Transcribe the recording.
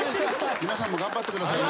皆さんも頑張ってください。